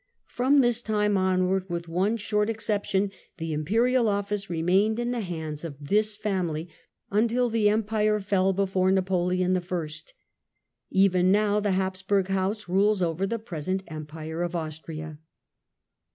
From this time onward, with one short ex ception, the Imperial office remained in the hands of this family, until the Empire fell before Napoleon I. Even now the Habsburg house rules over the present Empire of Austria.